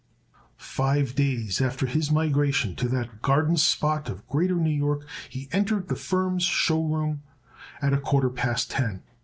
Five days after his migration to that garden spot of Greater New York he entered the firm's show room at a quarter past ten.